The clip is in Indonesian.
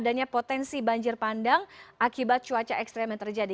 karena potensi banjir bandang akibat cuaca ekstrem yang terjadi